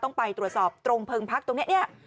ต้องไปตรวจสอบตรงเพิงพักตรงนี้เนี่ย